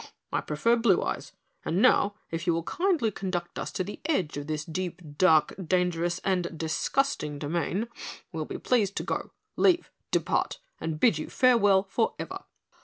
I prefer blue eyes and, now, if you will kindly conduct us to the edge of this deep, dark, dangerous and disgusting domain, we'll be delighted to go, leave, depart, and bid you farewell forever."